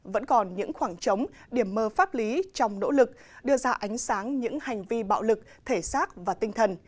vẫn còn những khoảng trống điểm mơ pháp lý trong nỗ lực đưa ra ánh sáng những hành vi bạo lực thể xác và tinh thần